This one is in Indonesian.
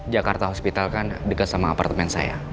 jakarta hospital kan dekat sama apartemen saya